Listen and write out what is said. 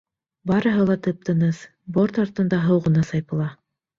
Барыһы ла тып-тыныс, борт артында һыу ғына сайпыла.